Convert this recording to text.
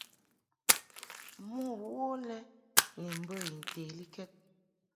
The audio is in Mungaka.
Mo wo lɛ ni mbə I ntelikɛd.